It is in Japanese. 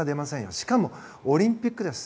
しかも、オリンピックです。